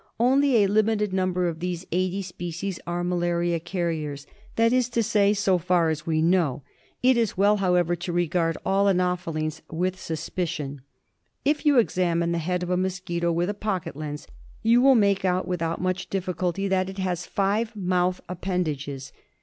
Only a limited number of these eighty species are malaria carriers — that is to say, so far as we know; it is well, however, to regard all anophelines with suspicion. If you examine the head of a mosquito with a pocket lens you will make out without much difficulty that it has five mouth appendages.